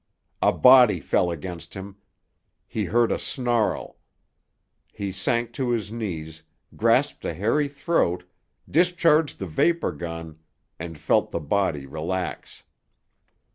A body fell against him; he heard a snarl. He sank to his knees, grasped a hairy throat, discharged the vapor gun, and felt the body relax.